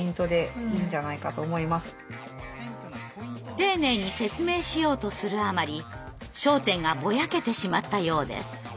丁寧に説明しようとするあまり焦点がぼやけてしまったようです。